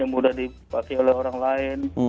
yang mudah dipakai oleh orang lain